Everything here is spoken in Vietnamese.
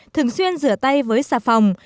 thường xuyên rửa tay với xà phòng